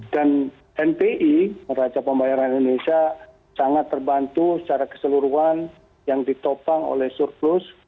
dan npi raca pembayaran indonesia sangat terbantu secara keseluruhan yang ditopang oleh surplus